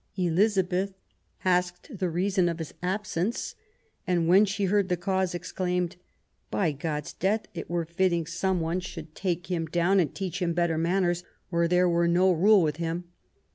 Elizabeth asked the reason of his absence, and when she heard the cause, ex claimed: By God*s death, it were fitting some one should take him down, and teach him better manners, or there were no rule with him